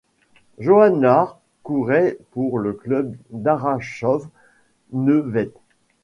Johann Lahr courrait pour le club d'Harrachov-Neuwelt.